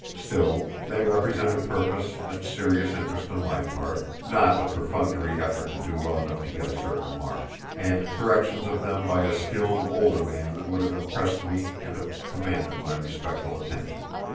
Still, they represented purpose and serious interest on my part, not the perfunctory effort to do well enough to get a certain mark; and corrections of them by a skilled older man would have impressed me and have commanded my respectful attention.